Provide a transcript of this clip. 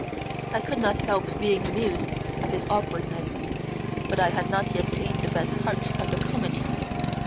I could not help being amused at his awkwardness, but I had not yet seen the best part of the comedy.